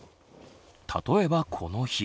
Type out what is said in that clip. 例えばこの日。